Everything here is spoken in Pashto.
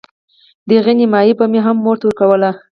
د هغې نيمايي به مې هم مور ته ورکوله.